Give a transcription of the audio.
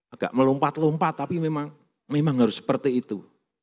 agak melompat lompat tapi memang harus seperti itu